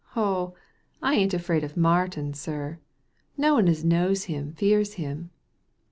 '' Oh, I ain't afraid of Martin, sir ; no one as knows him fears him."